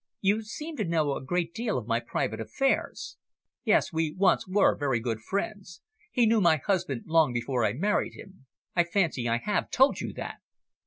"You seem to know a great deal of my private affairs. Yes, we once were very good friends. He knew my husband long before I married him. I fancy I have told you that."